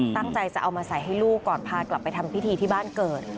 ตั้งใจจะเอามาใส่ให้ลูกก่อนพากลับไปทำพิธีที่บ้านเกิด